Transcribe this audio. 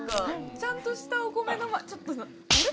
ちゃんとしたお米のあれ？